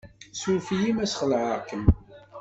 Suref-iyi ma ssxelεeɣ-kem.